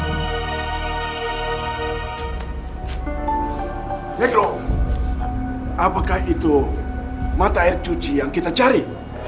menurut apakah itu mata air cuci yang kita cari